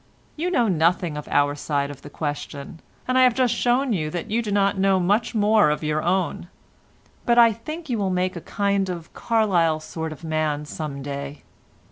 You know nothing of our side of the question, and I have just shown you that you do not know much more of your own, but I think you will make a kind of Carlyle sort of a man some day.